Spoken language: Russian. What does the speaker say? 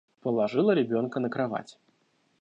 Положила ребенка на кровать.